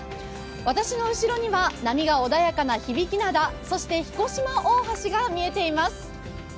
私の後ろには波が穏やかな響灘、そして彦島大橋が見えています。